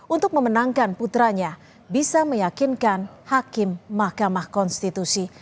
untuk memenangkan putranya bisa meyakinkan hakim mahkamah konstitusi